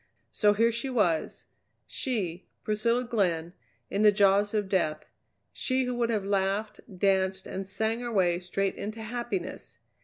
So here she was she, Priscilla Glenn, in the jaws of death, she who would have laughed, danced, and sang her way straight into happiness!